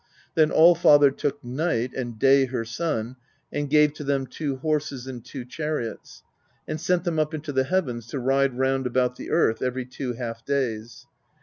Then Allfather took Night, and Day her son, and gave to them two horses and two chariots, and sent them up into the heavens, to ride round about the earth every two half days.